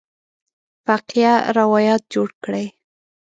فقیه روایت جوړ کړی.